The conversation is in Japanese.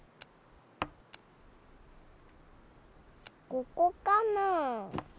ここかな？